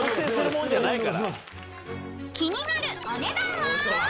［気になるお値段は］